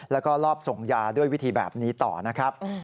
แล้วก็รอบส่งยาด้วยวิธีแบบนี้ต่อนะครับ